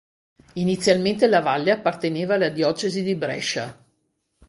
Inizialmente la Valle apparteneva alla diocesi di Brescia.